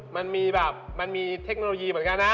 มันมีเทคโนโลยีเหมือนกันนะ